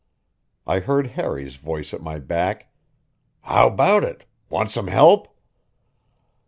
I heard Harry's voice at my back: "How about it? Want some help?"